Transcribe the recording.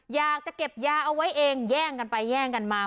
อยากจะเก็บยาเอาไว้เองแย่งกันไปแย่งกันมา